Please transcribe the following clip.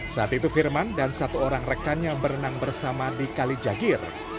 saat itu firman dan satu orang rekannya berenang bersama di kalijagir